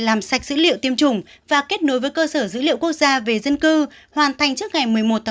làm sạch dữ liệu tiêm chủng và kết nối với cơ sở dữ liệu quốc gia về dân cư hoàn thành trước ngày một mươi một một mươi một hai nghìn hai mươi một